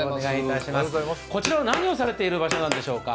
こちらは何をされている場所なんでしょうか？